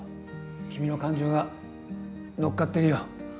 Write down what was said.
君の感情が乗っかってるよ